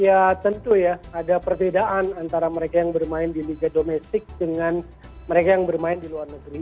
ya tentu ya ada perbedaan antara mereka yang bermain di liga domestik dengan mereka yang bermain di luar negeri